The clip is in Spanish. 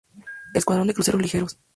Escuadrón de Cruceros Ligeros.